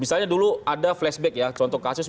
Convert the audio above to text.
misalnya dulu ada flashback ya contoh kasus